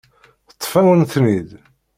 Teṭṭef-awen-ten-id.